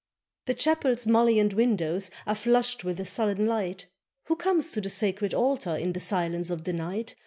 The chapel's mullioned windows Are flushed with a sullen light; Who comes to the sacred altar In the silence of the night?